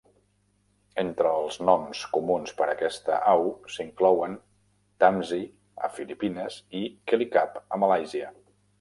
Entre els noms comuns per a aquesta au s'inclouen "tamsi" a Filipines i "kelicap" a Malàisia.